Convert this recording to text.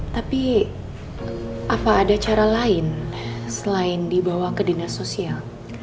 tapi apa ada cara lain selain dibawa ke dinas sosial